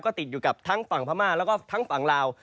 ก็ติดอยู่กับทั้งฝั่งพม่าแล้วก็ทั้งฝั่งลาว